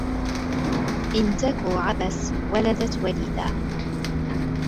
إن تك عبس ولدت وليدا